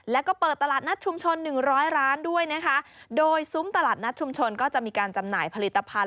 แล้วก็เปิดตลาดนัดชุมชนหนึ่งร้อยร้านด้วยนะคะโดยซุ้มตลาดนัดชุมชนก็จะมีการจำหน่ายผลิตภัณฑ